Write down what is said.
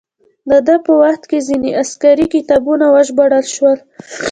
د ده په وخت کې ځینې عسکري کتابونه وژباړل شول.